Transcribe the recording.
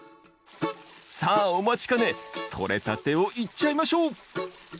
さあお待ちかねとれたてをいっちゃいましょう！